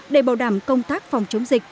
để bảo đảm công tác phòng chống dịch